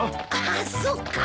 あっそっか！